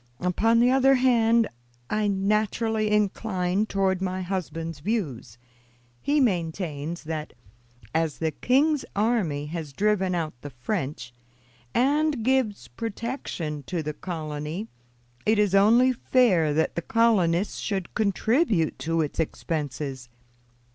Upon the other hand, I naturally incline toward my husband's views. He maintains that, as the king's army has driven out the French, and gives protection to the colony, it is only fair that the colonists should contribute to its expenses.